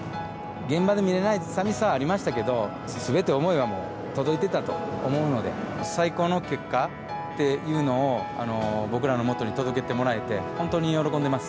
現場で見れないさみしさはありましたけど、すべて思いはもう、届いてたと思うので、最高の結果っていうのを、僕らのもとに届けてもらえて、本当に喜んでます。